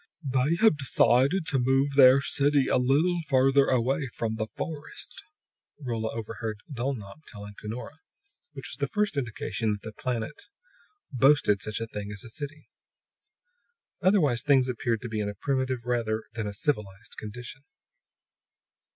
"They have decided to move their city a little farther away from the forest," Rolla overheard Dulnop telling Cunora; which was the first indication that the planet boasted such a thing as a city. Otherwise, things appeared to be in a primitive, rather than a civilized condition.